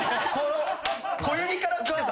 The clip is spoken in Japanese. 小指からきてた。